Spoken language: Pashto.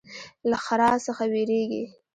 له ښرا څخه ویریږي.